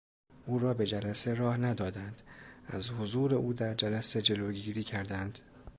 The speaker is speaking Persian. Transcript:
او را به جلسه راه ندادند، از حضور او در جلسه جلوگیری کردند.